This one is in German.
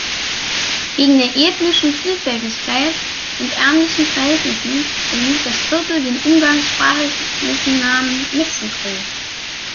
Wegen der ethnischen Vielfältigkeit und ärmlichen Verhältnissen erhielt das Viertel den umgangssprachlichen Namen „Mexiko“.